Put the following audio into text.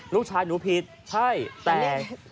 ลูกชายหนูผิดใช่แต่